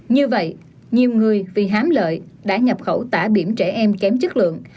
như vậy nhiều người vì hám lợi đã nhập khẩu tải biểm trẻ em kém chất lượng